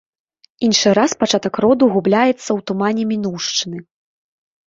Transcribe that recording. Іншы раз пачатак роду губляецца ў тумане мінуўшчыны.